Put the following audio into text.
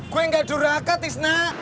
gue enggak purhaka tisna